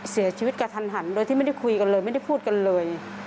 เสียชีวิตกระทันหันโดยที่ไม่ได้คุยกันเลยไม่ได้พูดกันเลย